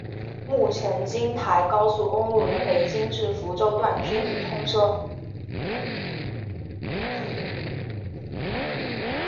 目前京台高速公路的北京至福州段均已通车。